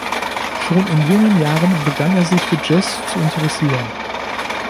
Schon in jungen Jahren begann er sich für Jazz zu interessieren.